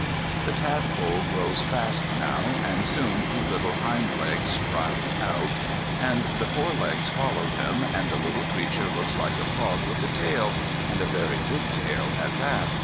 The tadpole grows fast now, and soon two little hindlegs sprout out, and the forelegs follow them, and the little creature looks like a frog with a tail, and a very big tail at that.